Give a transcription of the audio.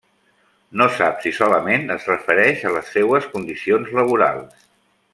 No sap si solament es refereix a les seues condicions laborals.